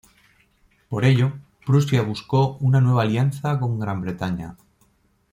Por ello, Prusia buscó una nueva alianza con Gran Bretaña.